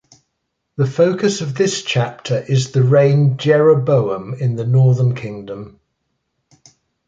The focus of this chapter is the reign Jeroboam in the northern kingdom.